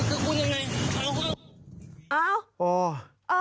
คือคือคุณยังไง